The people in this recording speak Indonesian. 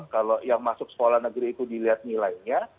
kalau yang masuk sekolah negeri itu dilihat nilainya